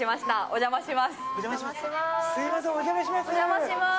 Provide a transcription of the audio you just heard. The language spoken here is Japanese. お邪魔します。